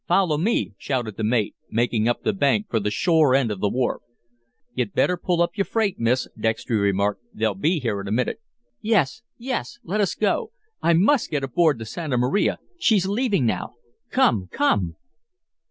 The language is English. Follow me!" shouted the mate, making up the bank for the shore end of the wharf. "You'd better pull your freight, miss," Dextry remarked; "they'll be here in a minute." "Yes, yes! Let us go! I must get aboard the Santa Maria. She's leaving now. Come, come!"